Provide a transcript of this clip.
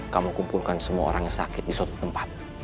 kamu kumpulkan semua orang yang sakit di suatu tempat